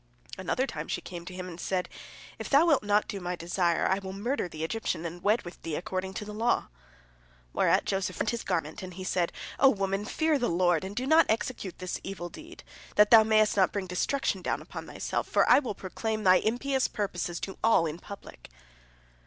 Another time she came to him, and said, "If thou wilt not do my desire, I will murder the Egyptian and wed with thee according to the law." Whereat Joseph rent his garment, and he said, "O woman, fear the Lord, and do not execute this evil deed, that thou mayest not bring destruction down upon thyself, for I will proclaim thy impious purposes to all in public."